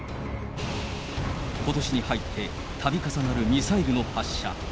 ことしに入って、たび重なるミサイルの発射。